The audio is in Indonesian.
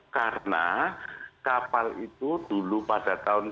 karena kapal itu terlihatnya